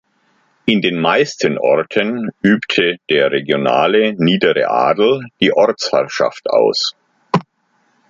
In den meisten Orten übte der regionale niedere Adel die Ortsherrschaft aus.